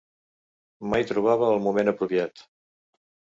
Mai trobava el moment apropiat.